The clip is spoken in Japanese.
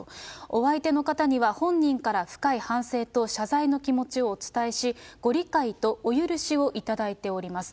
お相手の方には、本人から深い反省と謝罪の気持ちをお伝えし、ご理解とお許しをいただいております。